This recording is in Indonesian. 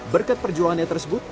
berkat perjuangannya tersebut